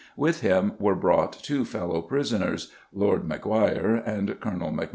With him were brought two fellow prisoners, Lord Macguire and Colonel MacMahon.